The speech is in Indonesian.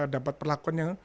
dapat perlakuan yang